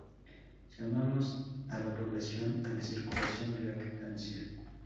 Llamamos a la oposición a la circulación reactancia.